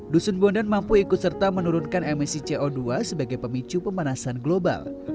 dusun bondan mampu ikut serta menurunkan emisi co dua sebagai pemicu pemanasan global